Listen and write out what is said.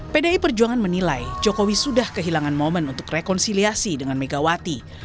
pdi perjuangan menilai jokowi sudah kehilangan momen untuk rekonsiliasi dengan megawati